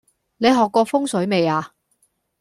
你學過風水未呀？